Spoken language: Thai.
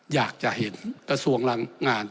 อยากจะเห็นกระทรวงพลังงาน